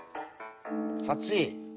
８。